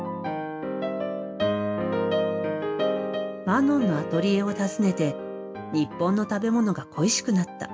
マノンのアトリエを訪ねて日本の食べ物が恋しくなった。